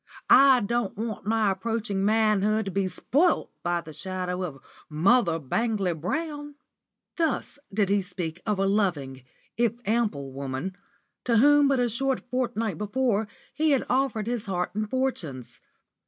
I don't want my approaching manhood to be spoilt by the shadow of Mother Bangley Brown." Thus did he speak of a loving, if ample woman, to whom but a short fortnight before he had offered his heart and fortunes.